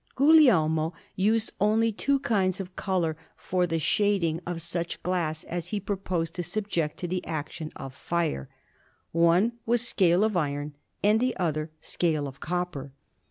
Guglielmo used only two kinds of colour for the shading of such glass as he proposed to subject to the action of fire; one was scale of iron, and the other scale of copper.